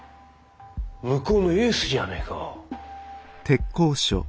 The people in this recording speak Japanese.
向こうのエースじゃねえか。